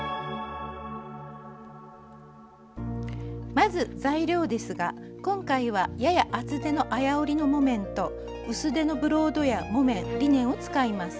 まず材料ですが今回はやや厚手の綾織りの木綿と薄手のブロードや木綿リネンを使います。